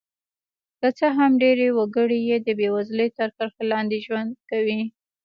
که څه هم ډېری وګړي یې د بېوزلۍ تر کرښې لاندې ژوند کوي.